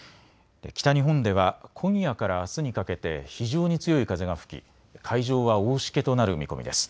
北日本では今夜からあすにかけて非常に強い風が吹き海上は大しけとなる見込みです。